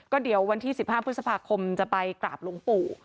ก็เดี๋ยววันที่๑๕พฤษภาคมจะไปกราบหลวงปู่